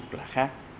thu là khác